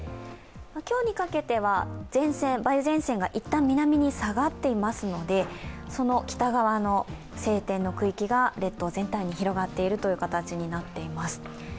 今日にかけては、梅雨前線が一旦南に下がっていますので、その北側の晴天の区域が列島全体に広がっているという形になっています。